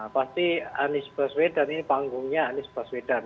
pasti anies baswedan ini panggungnya anies baswedan